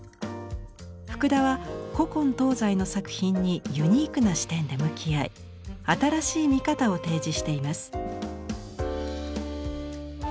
福田は古今東西の作品にユニークな視点で向き合い新しい見方を提示しています。